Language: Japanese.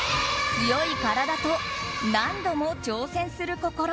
強い体と、何度も挑戦する心。